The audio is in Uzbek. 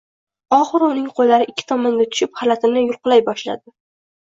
Oxiri uning qo‘llari ikki tomonga tushib xalatini yulqilay boshladi